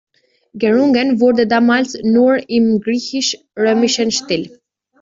Gerungen wurde damals nur im griechisch-römischen Stil.